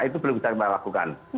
itu belum bisa kita lakukan